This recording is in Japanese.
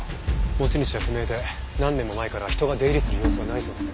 持ち主は不明で何年も前から人が出入りする様子はないそうです。